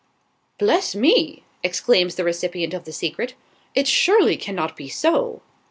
"Bless me!" exclaims the recipient of the secret. "It surely cannot be so!"